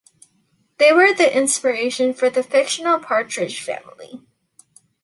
They were the inspriration for the fictional Partridge Family.